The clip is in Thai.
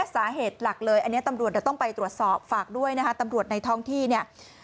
สาเหตุหลักเลยอันนี้ตำรวจเดี๋ยวต้องไปตรวจสอบฝากด้วยนะคะตำรวจในท้องที่เนี่ย